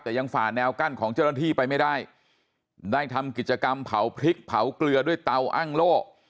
แต่ยังฝ่าแนวกั้นของเจ้าหน้าที่ไปไม่ได้ได้ทำกิจกรรมเผาพริกเผาเกลือด้วยเตาอ้างโล่